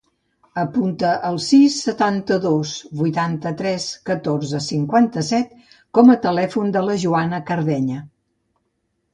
Apunta el sis, setanta-dos, vuitanta-tres, catorze, cinquanta-set com a telèfon de la Joana Cardeña.